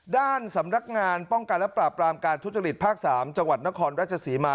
ด้านสำนักงานป้องกันและปราบปรามการทุจริตภาค๓จังหวัดนครราชศรีมา